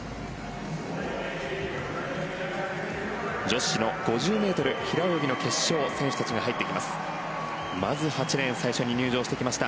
女子の５０ｍ平泳ぎの決勝選手たちが入ってきます。